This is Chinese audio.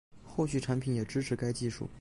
后续产品也支持该技术